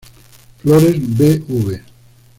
Flores, Bv.